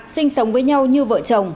sinh sống với nhau như vợ chồng